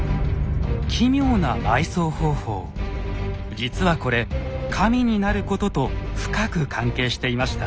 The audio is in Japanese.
実はこれ神になることと深く関係していました。